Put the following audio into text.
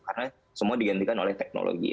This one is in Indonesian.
karena semua digantikan oleh teknologi